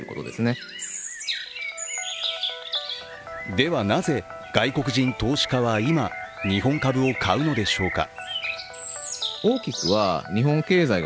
では、なぜ外国人投資家は今、日本株を買うのでしょうか。